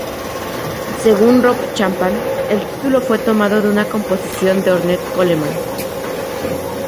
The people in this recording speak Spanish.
Según Rob Chapman, el título fue tomado de una composición de Ornette Coleman.